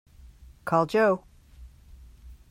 Call Joe.